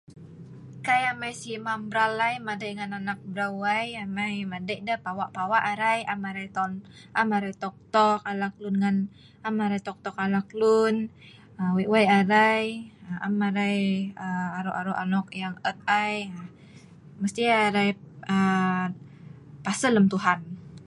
Kai amai si mah' mral ai, madei' ngan anak breu' ai, amai medei deh mawa mawa arai, am arai tok tok alak lun ngan, am arai tok tok alak lun, wei' wei' arai, am arai aa aro' aro' anok yang et ai. Mesti arai aa pasel lem Tuhan.